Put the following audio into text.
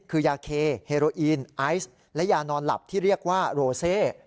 คือยาเคเฮโรอีนไอซ์และยานอนหลับที่เรียกว่าโรเซ